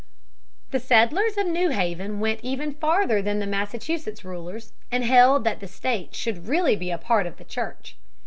The settlers of New Haven went even farther than the Massachusetts rulers and held that the State should really be a part of the Church.